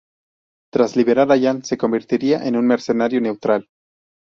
Tras liberar a Jan, se convertiría en un mercenario neutral.